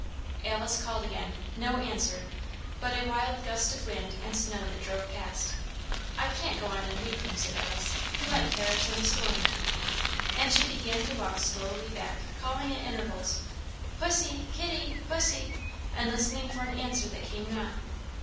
Alice called again; no answer, but a wild gust of wind and snow that drove past. "I can't go on and leave him," said Alice; "he might perish in the storm." And she began to walk slowly back, calling at intervals, "Pussy! kitty! pussy!" and listening for an answer that came not.